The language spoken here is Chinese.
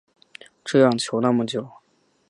这样求那么久